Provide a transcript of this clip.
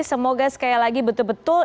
semoga sekali lagi betul betul